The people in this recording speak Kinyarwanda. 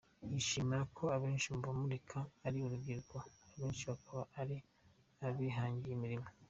Yishimira ko abenshi mu bamurika ari urubyiruko abenshi bakaba ari abihangiye imirimo.